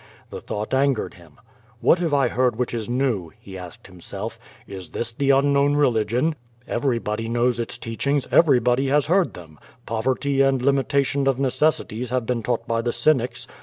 The thought angered him. ^'What have I heard which is new?'' he asked himself, ^^s this the unknown religion? Everybody knows its teachings, every body has heard them. Poverty and limitation of necessities have been taught by the Cynics.